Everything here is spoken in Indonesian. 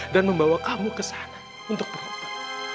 dan membawa kamu ke sana untuk berubah